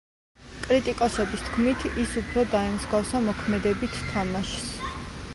კრიტიკოსების თქმით, ის უფრო დაემსგავსა მოქმედებით თამაშს.